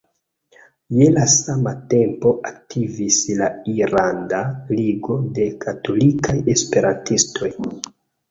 Je la sama tempo aktivis la "Irlanda Ligo de Katolikaj Esperantistoj".